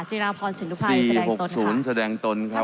จีนาพรสิงห์ทุกภัยแสดงตนครับสี่หกศูนย์แสดงตนครับ